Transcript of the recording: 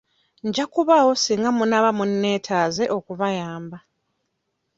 Nja kubaawo singa munaaba munneetaaze okubayamba.